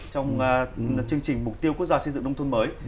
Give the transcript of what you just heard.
trong chương trình mục tiêu quốc gia xây dựng nông thôn mới